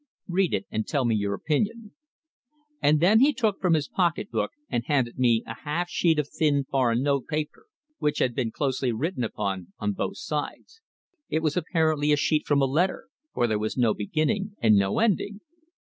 Read it, and tell me your opinion." And then he took from his pocket book and handed me a half sheet of thin foreign notepaper, which had been closely written upon on both sides. It was apparently a sheet from a letter, for there was no beginning and no ending.